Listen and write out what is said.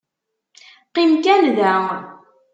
Qim kan da!